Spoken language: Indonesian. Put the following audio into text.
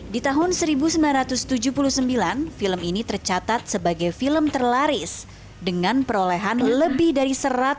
di tahun seribu sembilan ratus tujuh puluh sembilan film ini tercatat sebagai film terlaris dengan perolehan lebih dari